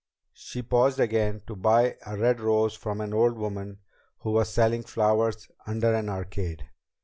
She paused again to buy a red rose from an old woman who was selling flowers under an arcade.